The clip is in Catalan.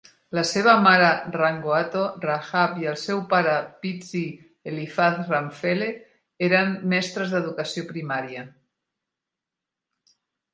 La seva mare, Rangoato Rahab, i el seu pare, Pitsi Eliphaz Ramphele, eren mestres d'educació primària.